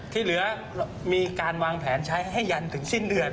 ที่เหลือมีการวางแผนใช้ให้ยันถึงสิ้นเดือน